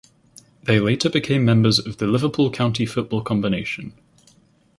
They later became members of the Liverpool County Football Combination.